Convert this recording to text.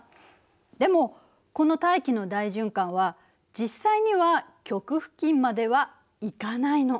でもこの大気の大循環は実際には極付近までは行かないの。